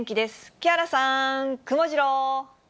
木原さん、くもジロー。